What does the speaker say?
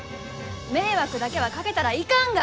迷惑だけはかけたらいかんが！